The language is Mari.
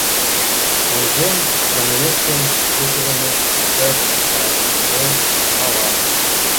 Ончем, занавескым петырыме: векат, але мала.